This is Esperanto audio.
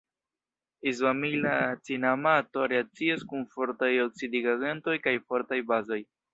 Izoamila cinamato reakcias kun fortaj oksidigagentoj kaj fortaj bazoj.